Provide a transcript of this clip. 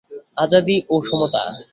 আজাদী ও সমতা।